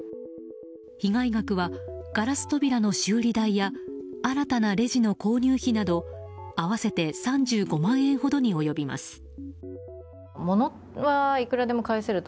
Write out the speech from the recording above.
被害額はガラス扉の修理代や新たなレジの購入費など合わせて３５万円ほどに及びます。